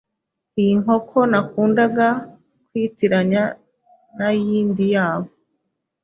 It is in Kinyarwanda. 'iyi nkoko nakundaga kwitiranya nayindi yabo